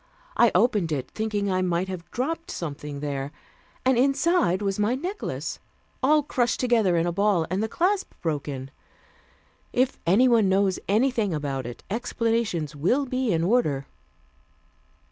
I opened it, thinking I might have dropped something there, and inside was my necklace, all crushed together into a ball, and the clasp broken. If anyone knows anything about it, explanations will be in order."